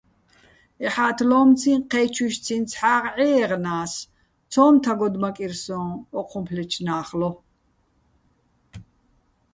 ეჰ̦ათლო́მციჼ ჴე́ჩუჲშციჼ ცჰ̦ა́ღ ჺეჲე́ღნა́ს, ცო́მ თაგოდმაკირ სო́ჼ ო́ჴუმფლეჩო̆ ნა́ხლო.